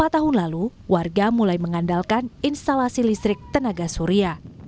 dua puluh tahun lalu warga mulai mengandalkan instalasi listrik tenaga surya